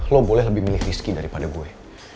lo boleh lebih milih rizky daripada gue